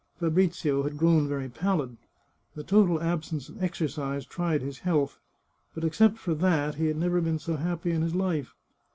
Fabrizio had grown very pallid. The total absence of exercise tried his health, but except for that, he had never been so happy in his life.